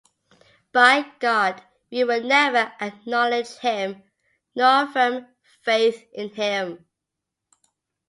By God, we will never acknowledge him, nor affirm faith in him.